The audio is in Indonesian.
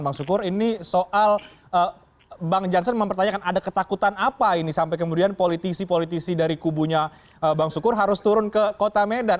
bang sukur ini soal bang jansen mempertanyakan ada ketakutan apa ini sampai kemudian politisi politisi dari kubunya bang sukur harus turun ke kota medan